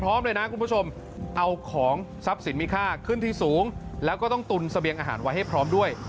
เลยนะคุณผู้ชมเอาของทรัพย์สินมีค่าขึ้นที่สูงแล้วก็ต้องตุนเสบียงอาหารไว้ให้พร้อมด้วย